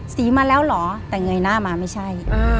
สีมาแล้วเหรอแต่เงยหน้ามาไม่ใช่